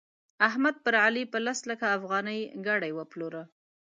احمد پر علي په لس لکه افغانۍ ګاډي وپلوره.